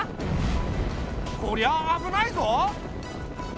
こりゃあ危ないぞ。